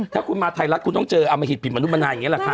ถ้าคุณมาไทยรัฐคุณต้องเจออมหิตผิดมนุษย์มานานอย่างนี้แหละค่ะ